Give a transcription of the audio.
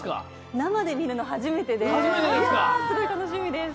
生で見るの初めてですごい楽しみです。